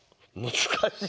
難しい？